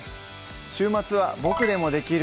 週末は「ボクでもできる！